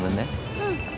うん。